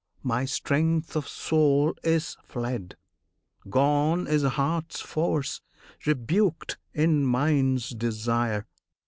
My strength of soul is fled, Gone is heart's force, rebuked is mind's desire!